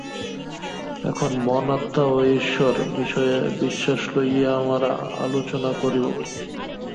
এখন মন, আত্মা ও ঈশ্বর-বিষয়ে বিশ্বাস লইয়া আমরা আলোচনা করিব।